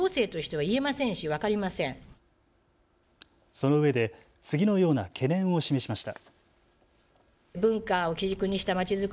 そのうえで次のような懸念を示しました。